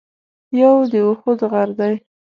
یو د اُحد غر دی.